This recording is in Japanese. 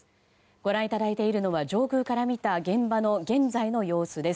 ご覧いただいているのは上空から見た現場の現在の様子です。